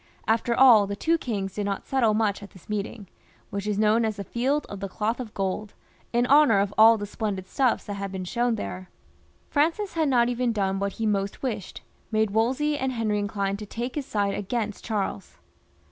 After aU, the two kings did not settle much at this meeting, which is known as the Field of the Cloth of Gold, in honour of aill the splen did stuffs that had been shown there. Francis had not even done what he most wished, made Wolsey and Henry inclined to take his side against Charles.